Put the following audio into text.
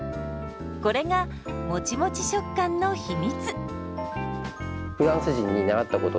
これがもちもち食感の秘密。